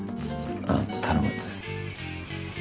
ああ頼む。